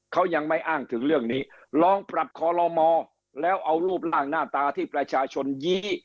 เขายังไม่อ้างถึงเรื่องนี้ลองปรับคอลโลมอแล้วเอารูปร่างหน้าตาที่ประชาชนยี้